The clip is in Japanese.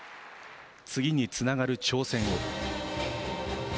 次につながる挑戦を。